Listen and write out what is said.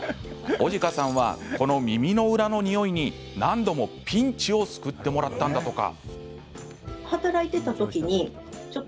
男鹿さんは、この耳の裏の匂いに何度もピンチを救ってもらったんだとか。